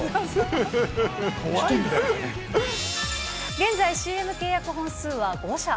現在ＣＭ契約本数は５社。